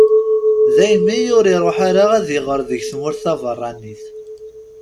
Daymi ur iruḥ ara ad iɣer deg tmurt taberranit.